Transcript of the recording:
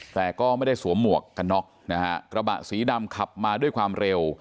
แต่ก็ไม่ได้สวมหมวกกันน็อกนะฮะกระบะสีดำขับมาด้วยความเร็ว